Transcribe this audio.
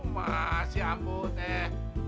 masih ambut eh